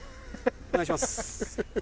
お願いします。